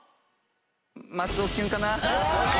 松尾キュンかな。